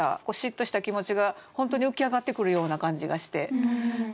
嫉妬した気持ちが本当に浮き上がってくるような感じがして。